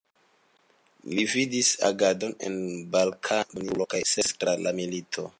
Li vidis agadon en la Balkana duoninsulo, kaj servis tra la milito.